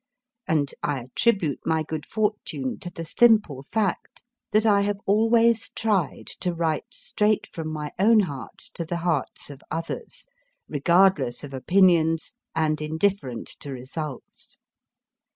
And I attribute my good fortune to the simple fact that I have always tried to write straight from my own heart to the hearts of others, regardless of opinions and indifferent to results.